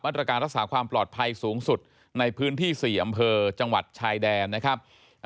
ตรการรักษาความปลอดภัยสูงสุดในพื้นที่๔อำเภอจังหวัดชายแดนนะครับ